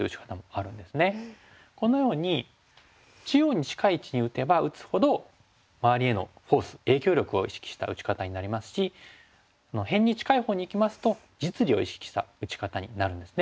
このように中央に近い位置に打てば打つほど周りへのフォース影響力を意識した打ち方になりますし辺に近いほうにいきますと実利を意識した打ち方になるんですね。